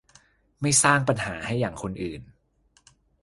ไม่สร้างปัญหาให้อย่างคนอื่น